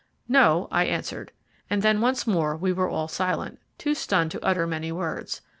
"No," I answered, and then once more we were all silent, too stunned to utter many words.